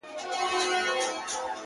دا پر سپین کتاب لیکلی سپین عنوان ته,